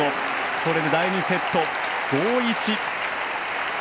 これで第２セット、５−１！